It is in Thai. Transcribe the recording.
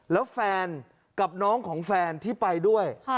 แล้วแฟนกับน้องของแฟนที่ไปด้วย